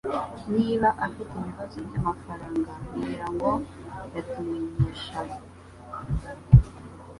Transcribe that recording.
Niba afite ibibazo byamafaranga, ngira ngo yatumenyesha.